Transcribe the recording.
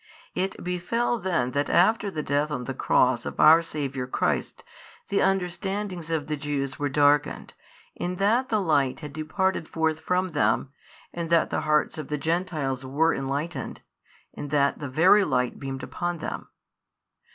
It befell then that after the Death on the Cross of our Saviour Christ, the understandings of the Jews were darkened, in that the Light had departed forth from them, and that the hearts of the Gentiles were enlightened, in that the Very Light beamed upon them.